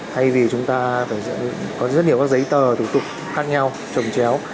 thay vì chúng ta phải có rất nhiều các giấy tờ thủ tục khác nhau trồng chéo